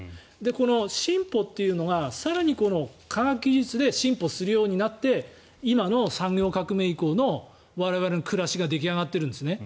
この進歩というのが更に科学技術で進歩するようになって今の産業革命以降の我々の暮らしが出来上がっているんですね。